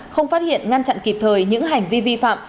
không phát hiện ngăn chặn kịp thời những hành vi vi phạm